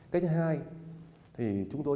cách hai thì chúng tôi